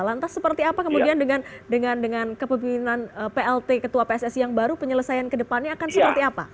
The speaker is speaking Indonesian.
lantas seperti apa kemudian dengan kepemimpinan plt ketua pssi yang baru penyelesaian kedepannya akan seperti apa